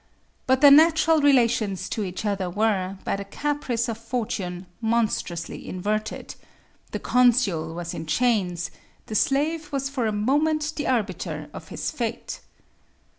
But their natural relations to each other were, by the caprice of fortune, monstrously inverted: the consul was in chains; the slave was for a moment the arbiter of his fate.